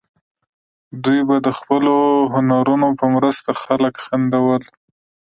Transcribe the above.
دوی به د خپلو هنرونو په مرسته خلک خندول.